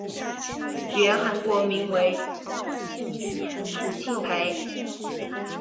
原韩国名为朴庆培。